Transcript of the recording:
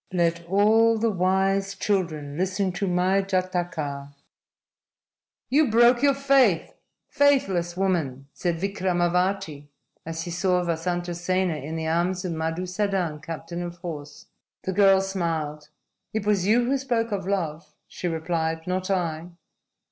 _ LET ALL THE WISE CHILDREN LISTEN TO MY JATAKA! "You broke your faith, faithless woman!" said Vikramavati as he saw Vasantasena in the arms of Madusadan, captain of horse. The girl smiled. "It was you who spoke of love," she replied, "not I."